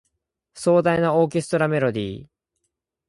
壮大なオーケストラメロディ